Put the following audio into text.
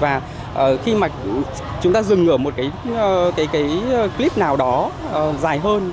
và khi mà chúng ta dừng ở một clip nào đó dài hơn